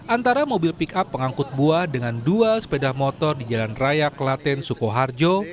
antara mobil pick up pengangkut buah dengan dua sepeda motor di jalan raya klaten sukoharjo